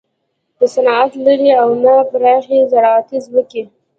نه صنعت لري او نه پراخې زراعتي ځمکې.